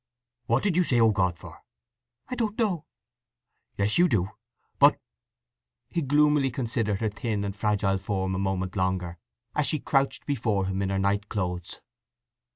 "What did you say 'O God' for?" "I don't know!" "Yes you do! But …" He gloomily considered her thin and fragile form a moment longer as she crouched before him in her night clothes.